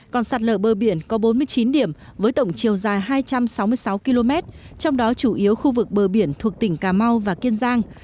còn sạt lở bờ biển có bốn mươi chín điểm với tổng chiều dài hai trăm sáu mươi sáu km trong đó chủ yếu khu vực bờ biển thuộc tỉnh cà mau và kiên giang